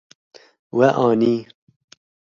We anî.